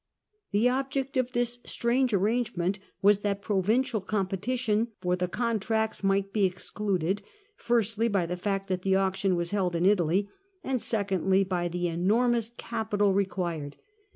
The object of this strange arrangement was that provincial competition for the contracts might be excluded, firstly, by the fact that the auction was held in Italy, and, secondly, by the enormous capital required.